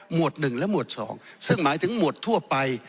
หมวดหนึ่งและหมวดสองซึ่งหมายถึงหมวดทั่วไป